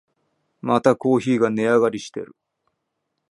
またコーヒーが値上がりしてる